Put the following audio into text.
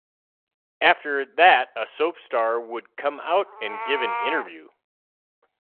After that a soap star would come out and give an interview.